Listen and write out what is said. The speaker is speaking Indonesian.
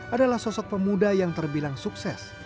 adalah sosok pemuda yang terbilang sukses